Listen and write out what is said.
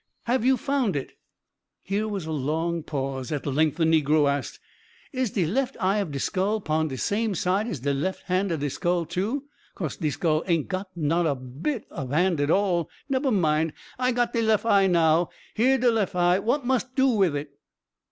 Have you found it?" Here was a long pause. At length the negro asked: "Is de lef eye of de skull pon de same side as de lef hand of de skull, too? cause de skull aint got not a bit ob a hand at all nebber mind! I got de lef eye now here de lef eye! what mus do wid it?"